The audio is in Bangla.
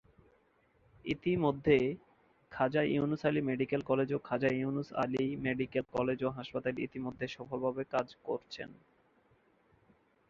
ইতিমধ্যে খাজা ইউনূস আলী মেডিকেল কলেজ ও খাজা ইউনূস আলী মেডিকেল কলেজ ও হাসপাতাল ইতিমধ্যে সফলভাবে কাজ করছেন।